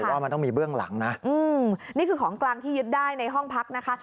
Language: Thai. ว่ามันต้องมีเบื้องหลังนะนี่คือของกลางที่ยึดได้ในห้องพักนะคะ